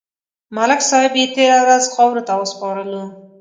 ملک صاحب یې تېره ورځ خاورو ته وسپارلو.